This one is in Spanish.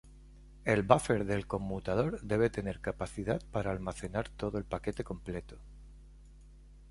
El buffer del conmutador debe tener capacidad para almacenar todo el paquete completo.